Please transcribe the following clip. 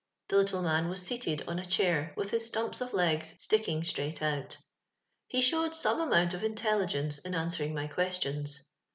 The little man was seated on a chair, ^ith his stumps of legs sticking straight out He showed some amount of intelligence in an swering my questions.